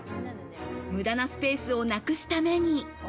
無駄なスペースをなくすために。